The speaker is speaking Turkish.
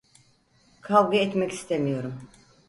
Kavga etmek istemiyorum.